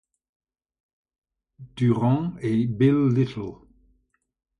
Durant et Bill Little.